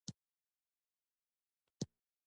د خدای عالم ټول راټول شول.